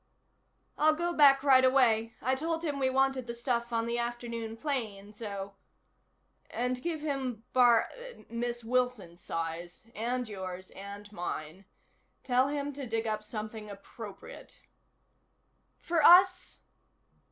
"I'll go back right away. I told him we wanted the stuff on the afternoon plane, so " "And give him Bar Miss Wilson's size, and yours, and mine. Tell him to dig up something appropriate." "For us?"